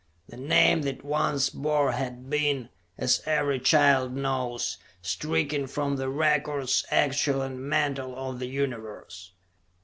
The name that it once bore had been, as every child knows, stricken from the records, actual and mental, of the Universe.